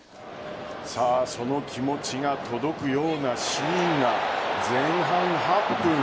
その気持ちが届くようなシーンが前半８分。